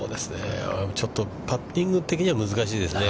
ちょっとパッティング的には難しいですね。